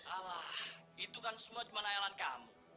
alah itu kan semua cuma nyalan kamu